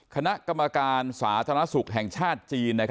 คณะกรรมการสาธารณสุขแห่งชาติจีน